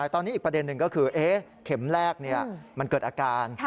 ตอนนี้อีกประเด็นหนึ่งก็คือเข็มแรกมันเกิดอาการ